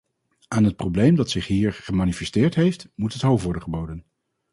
Aan het probleem dat zich hier gemanifesteerd heeft, moet het hoofd worden geboden.